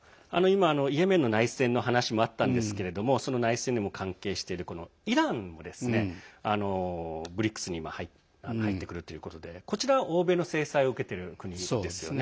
今、イエメンの内戦の話もあったんですがその内戦にも関係しているイランもＢＲＩＣＳに入ってくるということでこちら、欧米の制裁を受けている国ですよね。